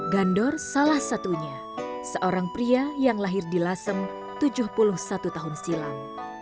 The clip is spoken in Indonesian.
gandor salah satunya seorang pria yang lahir di lasem tujuh puluh satu tahun silam